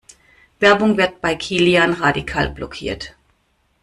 Werbung wird bei Kilian radikal blockiert.